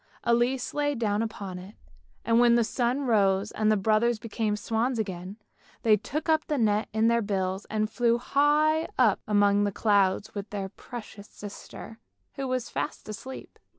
Elise lay down upon it, and when the sun rose and the brothers became swans again, they took up the net in their bills and flew high up among the clouds with their precious sister, who was fast asleep.